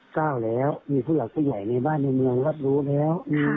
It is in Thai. เก้าแล้วมีผู้หลักผู้ใหญ่ในบ้านในเมืองรับรู้แล้ว